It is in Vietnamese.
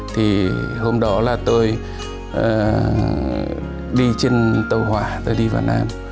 thì hôm đó là tôi đi trên tàu hỏa tôi đi vào nam